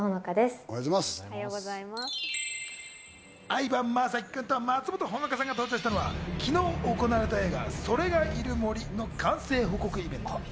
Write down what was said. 相葉雅紀君と松本穂香さんが登場したのは昨日行われた映画『“それ”がいる森』の完成報告イベント。